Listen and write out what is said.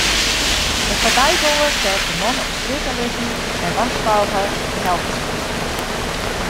In foarbygonger seach de man op strjitte lizzen en warskôge de helptsjinsten.